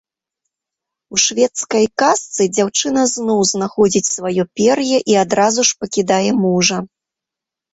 У шведскай казцы дзяўчына зноў знаходзіць сваё пер'е і адразу ж пакідае мужа.